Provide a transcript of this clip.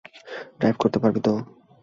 Drive করতে পারবি তো?